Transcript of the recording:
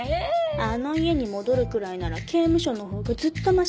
あの家に戻るくらいなら刑務所の方がずっとマシ